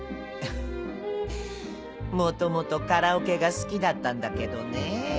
元々カラオケが好きだったんだけどね